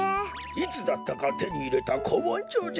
いつだったかてにいれたこもんじょじゃ。